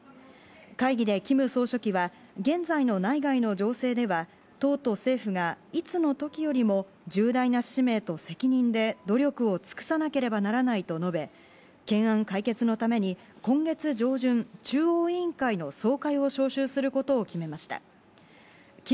会議でキム総書記は、現在の内外の情勢では党と政府がいつの時よりも重大な使命と責任で努力を尽くさなければならないと述べ、懸案解決のために今月上旬、中央委員会の総会を招集することを決めました。